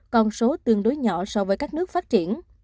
con số tương đối nhỏ so với các nước phát triển